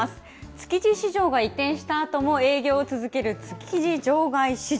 築地市場が移転したあとも営業を続ける築地場外市場。